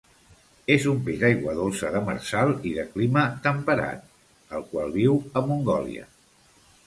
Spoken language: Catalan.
És un peix d'aigua dolça, demersal i de clima temperat, el qual viu a Mongòlia.